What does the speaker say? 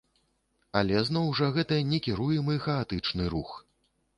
Але зноў жа, гэта некіруемы, хаатычны рух.